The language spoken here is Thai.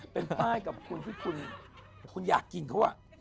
เป็นป้ายกับคุณที่คุณอยากกินเขา